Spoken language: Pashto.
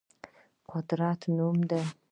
قدرت نوم دی.